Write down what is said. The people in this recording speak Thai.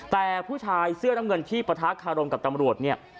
แต่ผู้ชายเสื้อดำเงินที่ประทักษ์คารมกับตำรวจ